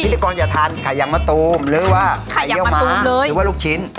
กรอย่าทานไข่ยังมะตูมหรือว่าไข่เยี่ยวม้าหรือว่าลูกชิ้น